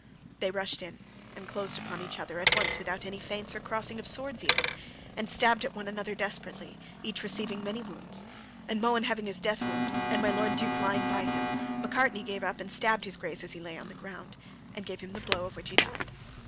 They rushed in, and closed upon each other at once without any feints or crossing of swords even, and stabbed one at the other desperately, each receiving many wounds; and Mohun having his death wound, and my Lord Duke lying by him, Macartney came up and stabbed his Grace as he lay on the ground, and gave him the blow of which he died.